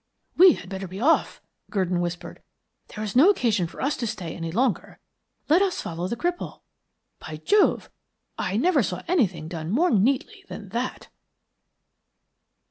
"We had better be off," Gurdon whispered. "There is no occasion for us to stay any longer. Let us follow the cripple. By Jove, I never saw anything done more neatly than that!"